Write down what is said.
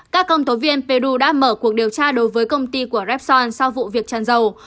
các công tố viên peru đã mở cuộc điều tra đối với công ty của repson sau vụ việc tràn dầu